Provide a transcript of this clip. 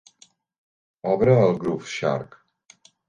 Obre el Grooveshark.